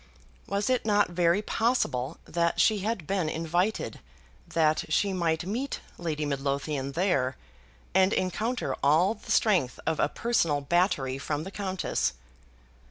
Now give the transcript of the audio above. Was it not very possible that she had been invited that she might meet Lady Midlothian there, and encounter all the strength of a personal battery from the Countess?